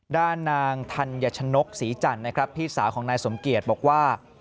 ด้านนางธัญชนกศรีจันทร์นะครับพี่สาวของนายสมเกียจบอกว่า